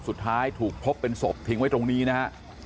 สุดท้ายถูกพบเป็นศพทิ้งไว้ตรงนี้นะฮะ